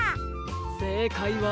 せいかいは。